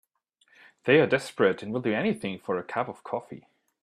They're desperate and will do anything for a cup of coffee.